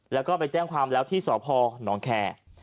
แล้วก็ไปแจ้งความแล้วที่สพนแคร์